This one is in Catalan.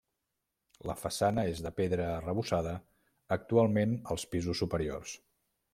La façana és de pedra arrebossada actualment els pisos superiors.